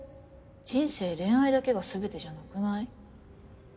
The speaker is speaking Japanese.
人生恋愛だけがすべてじゃなくない？